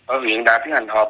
ở huyện đảo tiến hành hợp